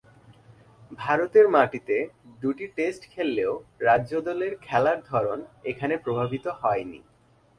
ভারতের মাটিতে দুই টেস্ট খেললেও রাজ্য দলের খেলার ধরন এখানে প্রবাহিত হয়নি।